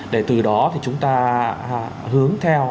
để từ đó thì chúng ta hướng theo